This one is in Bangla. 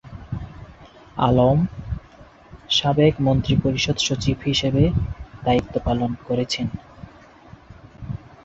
আলম সাবেক মন্ত্রিপরিষদ সচিব হিসেবে দায়িত্ব পালন করেছেন।